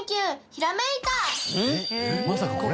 まさかこれ？